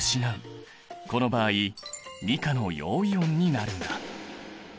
この場合２価の陽イオンになるんだ。